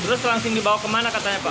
terus langsung dibawa kemana katanya pak